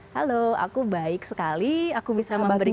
halo aku baik sekali aku bisa memberikan